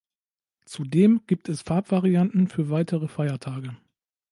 Zudem gibt es Farbvarianten für weitere Feiertage.